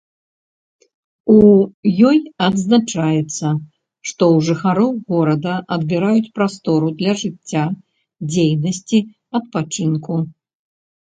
У ёй адзначаецца, што ў жыхароў горада адбіраюць прастору для жыцця, дзейнасці, адпачынку.